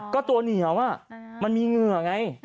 ก็ตัวเหนียวมันมีเหงื่อไง